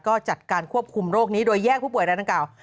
ก็จัดการควบคุมโรคนี้โดยแยกผู้ป่วยรายดังกล่าว